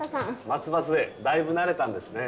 松葉杖だいぶ慣れたんですね